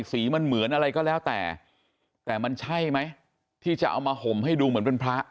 สีมันเหมือนอะไรก็แล้วแต่แต่มันใช่ไหมที่จะเอามาห่มให้ดูเหมือนเป็นพระ